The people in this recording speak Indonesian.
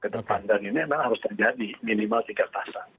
dan ini memang harus terjadi minimal tiga pasang